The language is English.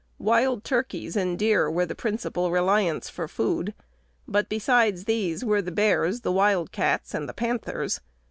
Wild turkeys and deer were the principal reliance for food; but besides these were the bears, the wild cats, and the panthers.